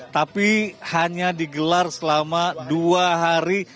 tapi hanya digelar selama dua hari